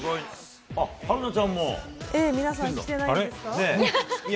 春奈ちゃんも！